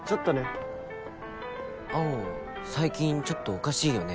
最近ちょっとおかしいよね？